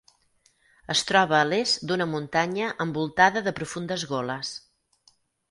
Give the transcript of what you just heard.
Es troba a l'est d'una muntanya envoltada de profundes goles.